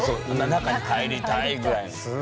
中に入りたいぐらいの。